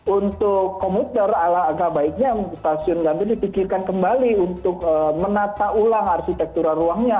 untuk komuter alang agak baiknya stasiun gambir dipikirkan kembali untuk menata ulang arsitektural ruangnya